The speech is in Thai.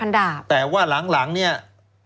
แล้วเขาก็ใช้วิธีการเหมือนกับในการ์ตูน